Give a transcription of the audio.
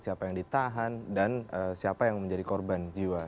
siapa yang ditahan dan siapa yang menjadi korban jiwa